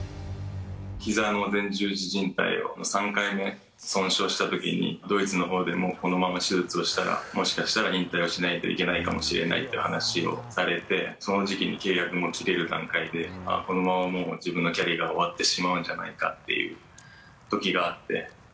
ひざの前十字じん帯を３回目、損傷したときに、ドイツのほうでもこのまま手術をしたら、もしかしたら、引退をしないといけないかもしれないっていう話をされて、その時期に契約も切れる段階で、あっ、このままもう、自分のキャリアが終わってしまうんじゃないかっていうときがあっ